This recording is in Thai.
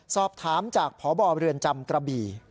สอบถามจากพบเรือนจำกระบี่